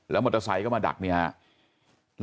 มอเตอร์ไซค์ก็มาดักเนี่ยครับ